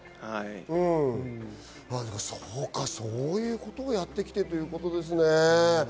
そういうことをやってきたということなんですね。